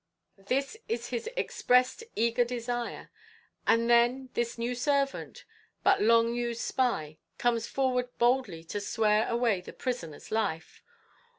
This is his expressed eager desire; and then this new servant, but long used spy, comes forward boldly to swear away the prisoner's life!